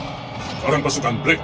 dia harus basuh dengan diskari ini